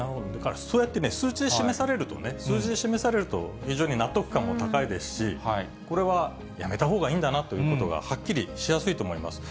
そうやって数値で示されるとね、数字で示されると、非常に納得感も高いですし、これはやめたほうがいいんだなということが、はっきりしやすいと思います。